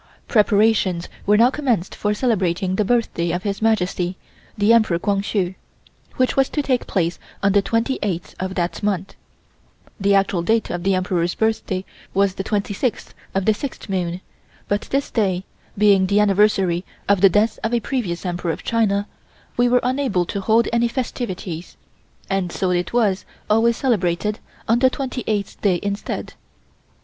Preparations were now commenced for celebrating the birthday of His Majesty, the Emperor Kwang Hsu, which was to take place on the 28th of that month. The actual date of the Emperor's birthday was the 26th of the sixth moon, but this day, being the anniversary of the death of a previous Emperor of China, we were unable to hold any festivities, and so it was always celebrated on the 28th day instead.